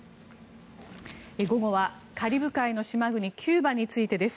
午後はカリブ海の島国キューバについてです。